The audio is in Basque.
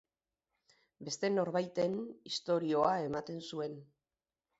Beste norbaiten istorioa ematen zuen.